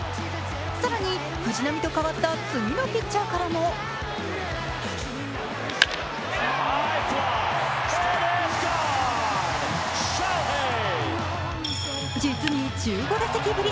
更に藤浪と変わった次のピッチャーからも実に１５打席ぶり。